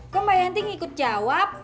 kok mbak yanti ngikut jawab